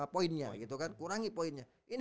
poinnya gitu kan kurangi poinnya ini